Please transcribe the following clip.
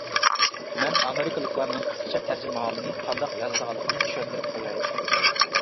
مەن ئامېرىكىلىقلارنىڭ قىسقىچە تەرجىمىھالىنى قانداق يازىدىغانلىقىنى چۈشەندۈرۈپ قوياي.